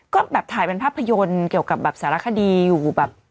ก็แบบถ่ายเป็นภาพยนตร์เกี่ยวกับแบบสารคดีอยู่แบบ